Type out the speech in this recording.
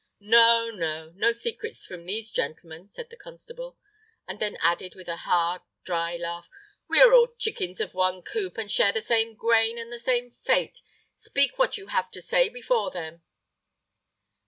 "No, no. No secrets from these gentlemen," said the constable; and then added, with a hard, dry laugh, "we are all chickens of one coop, and share the same grain and the same fate. Speak what you have to say before them."